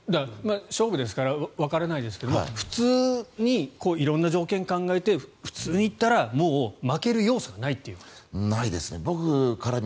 勝負ですからわからないですけども普通に色んな条件を考えて普通に行ったらもう負ける要素がないという感じですか？